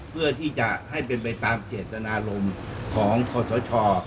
เพื่อที่จะให้เป็นไปตามเจตนารมณ์ของคอสช